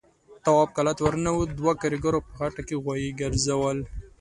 تواب کلا ته ور ننوت، دوو کاريګرو په خټه کې غوايي ګرځول.